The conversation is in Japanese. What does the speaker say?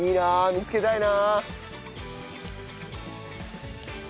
見つけたいな。